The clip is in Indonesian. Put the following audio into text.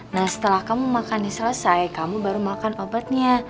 nah setelah kamu makannya selesai kamu baru makan obatnya